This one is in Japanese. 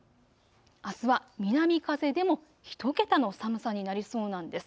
あすは南風でも１桁の寒さになりそうなんです。